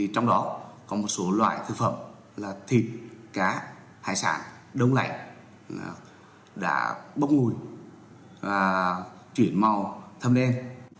trong đó có một số loại thực phẩm là thịt cá hải sản đông lạnh đã bốc ngùi và chuyển màu thơm đen